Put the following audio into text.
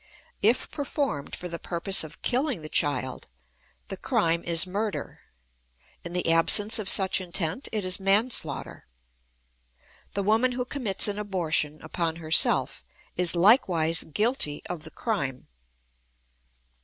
If performed for the purpose of killing the child, the crime is murder; in the absence of such intent, it is manslaughter. _The woman who commits an abortion upon herself is likewise guilty of the crime.